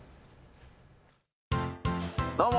どうも！